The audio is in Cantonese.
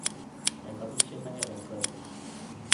係咁依吹返一兩句